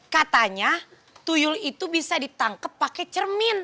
katanya tuyul itu bisa ditangkap pakai cermin